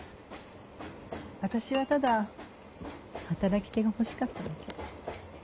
私はただ働き手が欲しかっただけ。